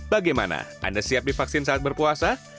bagaimana anda siap di vaksin saat berpuasa